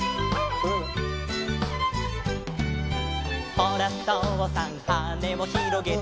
「ほらとうさんはねをひろげて」